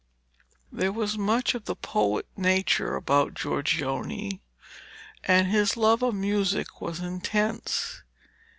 There was much of the poet nature about Giorgione, and his love of music was intense.